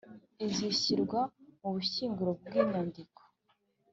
izishyirwa mu bushyinguro bw inyandiko